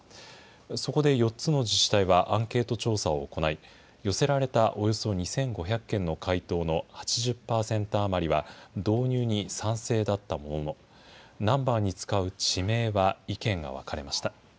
そこで４つの自治体はアンケート調査を行い、寄せられたおよそ２５００件の回答の８０％余りは導入に賛成だったものの、ナンバーに使う地名は意見が分かれました。